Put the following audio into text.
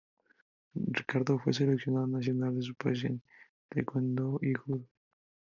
Ricardo fue seleccionado nacional de su país en Tae Kwon Do y Ju-Do.